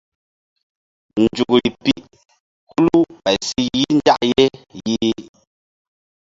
Nzukri pi hulu ɓay si yih nzak ye yih.